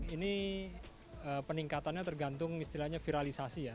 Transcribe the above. ini peningkatannya tergantung istilahnya viralisasi ya